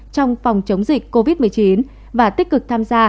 trong phòng chống dịch covid một mươi chín và tích cực tham gia